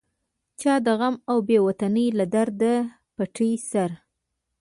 چا د غم او بې وطنۍ له درانه پیټي سره.